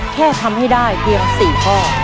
แค่ทำให้ได้เพียง๔ข้อ